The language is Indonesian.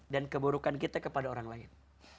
dan keburukan kita kepada orang lain